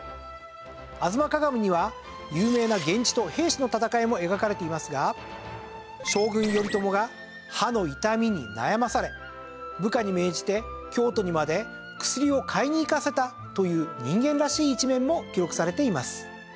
『吾妻鏡』には有名な源氏と平氏の戦いも描かれていますが将軍頼朝が歯の痛みに悩まされ部下に命じて京都にまで薬を買いに行かせたという人間らしい一面も記録されています。